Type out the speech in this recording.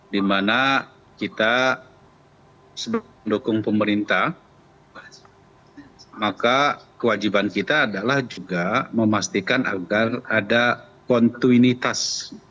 di mana kita sedang mendukung pemerintah maka kewajiban kita adalah juga memastikan agar ada kontuinitas